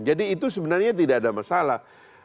jadi itu sebenarnya tidak ada masalah